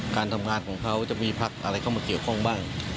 การทำงานของเขาจะมีพักอะไรเข้ามาเกี่ยวข้องบ้าง